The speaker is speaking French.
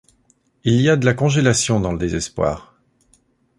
Il y a de la congélation dans le désespoir.